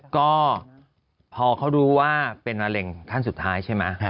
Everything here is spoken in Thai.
ก็พอเขารู้ว่าเป็นมะเร็งท่านสุดท้ายใช่ไหม